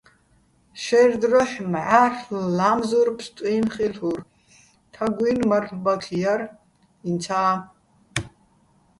შაჲრ დროჰ̦ მჵა́რლ' ლა́მზურ ფსტუჲნო̆ ხილ'ურ, თაგუ́ჲნი̆ მარლ'ბაქი ჲარ ინცა́.